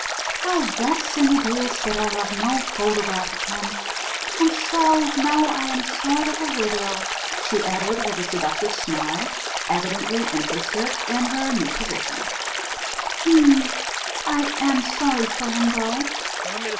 How vexing it is that I have no photograph of him.... And so now I am a sort of widow," she added, with a seductive smile, evidently interested in her new position. "Hm!... I am sorry for him, though."